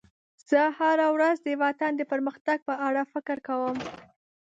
زه هره ورځ د وطن د پرمختګ په اړه فکر کوم.